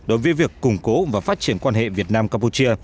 đối với việc củng cố và phát triển quan hệ việt nam campuchia